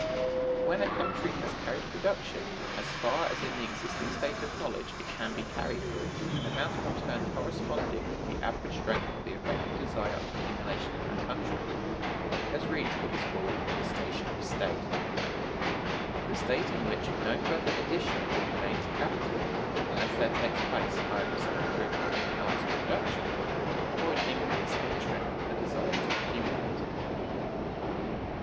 When a country has carried production as far as in the existing state of knowledge it can be carried with an amount of return corresponding to the average strength of the effective desire of accumulation in that country, it has reached what is called the stationary state; the state in which no further addition will be made to capital, unless there takes place either some improvement in the arts of production, or an increase in the strength of the desire to accumulate.